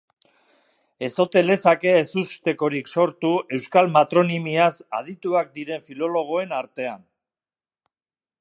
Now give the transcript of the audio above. Ez ote lezake ezustekorik sortu euskal matronimiaz adituak diren filologoen artean.